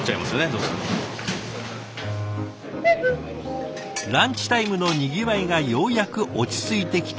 ランチタイムのにぎわいがようやく落ち着いてきた午後１時。